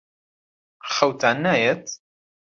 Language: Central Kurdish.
خەوتان نایەت؟